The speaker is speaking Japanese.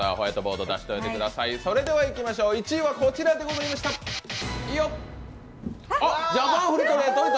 それではいきましょう、１位はこちらでございました。